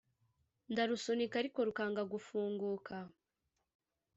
ndarusunika ariko rukanga gufunguka